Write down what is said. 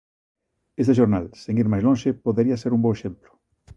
Este xornal, sen ir máis lonxe, podería ser un bo exemplo.